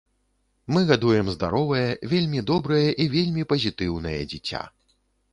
Мы гадуем здаровае, вельмі добрае і вельмі пазітыўнае дзіця.